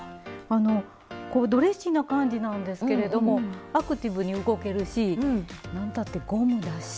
あのこうドレッシーな感じなんですけれどもアクティブに動けるしなんたってゴムだし。